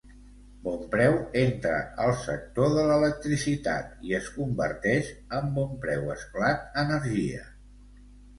Bon Preu entra al sector de l'electricitat i es converteix en BonpreuEsclat Energia.